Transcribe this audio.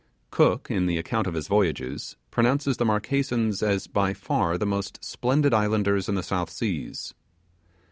Cook, in the account of his voyage, pronounces the Marquesans as by far the most splendid islanders in the South Seas.